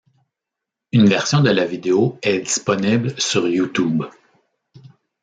Une version de la vidéo est disponible sur Youtube.